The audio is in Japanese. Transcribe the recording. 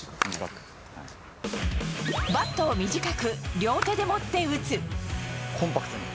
バットを短く、両手で持ってコンパクトに。